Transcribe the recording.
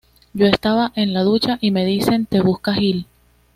Yo estaba en la ducha y me dicen "te busca Gil".